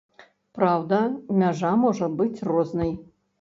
Праўда, мяжа можа быць рознай.